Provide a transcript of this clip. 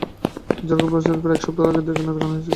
যার্গ জাহাজটি প্রায় এক সপ্তাহ আগে এখানে দেখা গেছে।